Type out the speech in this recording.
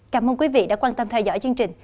cảm ơn quý vị đã quan tâm theo dõi chương trình